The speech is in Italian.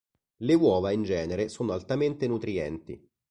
Le uova in genere sono altamente nutrienti.